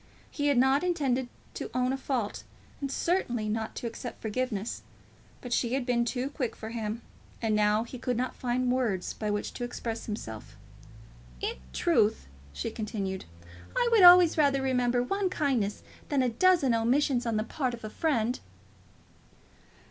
He had not intended to own a fault, and certainly not to accept forgiveness; but she had been too quick for him; and now he could not find words by which to express himself. "In truth," she continued, "I would always rather remember one kindness than a dozen omissions on the part of a friend."